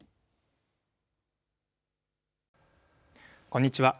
こんにちは。